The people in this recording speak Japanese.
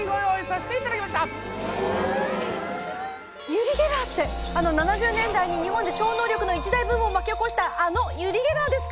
ユリ・ゲラーってあの７０年代に日本で超能力の一大ブームを巻き起こしたあのユリ・ゲラーですか？